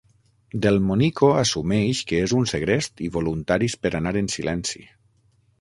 Delmonico assumeix que és un segrest i voluntaris per anar en silenci.